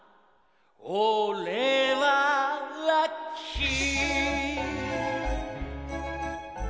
「おれはラッキー」